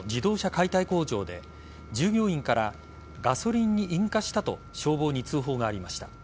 解体工場で従業員からガソリンに引火したと消防に通報がありました。